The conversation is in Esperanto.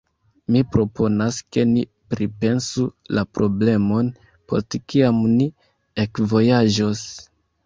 Mi proponas, ke ni pripensu la problemon, post kiam ni ekvojaĝos.